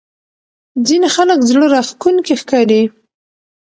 ځینې خلک زړه راښکونکي ښکاري.